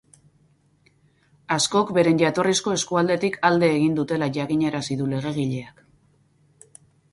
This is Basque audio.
Askok beren jatorrizko eskualdetik alde egin dutela jakinarazi du legegileak.